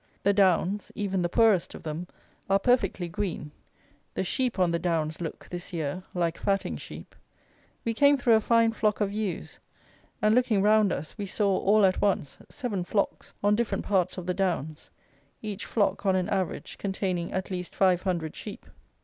The downs (even the poorest of them) are perfectly green; the sheep on the downs look, this year, like fatting sheep: we came through a fine flock of ewes, and, looking round us, we saw, all at once, seven flocks, on different parts of the downs, each flock on an average containing at least 500 sheep.